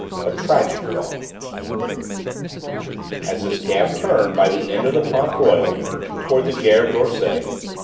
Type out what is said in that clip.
A TRAGIC DAWN As his cab turned by the end of the Pont Royal towards the Gare d'Orsay, M.